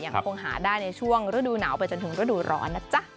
คงหาได้ในช่วงฤดูหนาวไปจนถึงฤดูร้อนนะจ๊ะ